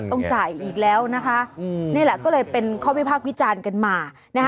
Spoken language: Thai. ต้องจ่ายอีกแล้วนะคะนี่แหละก็เลยเป็นข้อวิพากษ์วิจารณ์กันมานะคะ